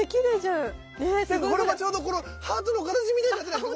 なんかこれもちょうどこのハートの形みたいになってます。